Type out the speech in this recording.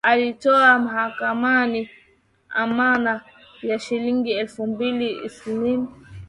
Alitoa mahakamani amana ya shilingi elfu mbili taslim